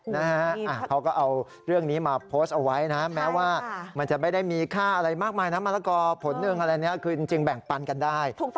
นี่นะอะเขาก็เอาเรื่องนี้มาโพสต์เอาไว้นะ